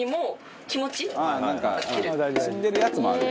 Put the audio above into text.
「死んでるやつもある」